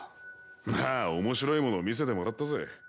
まあ面白いものを見せてもらったぜ。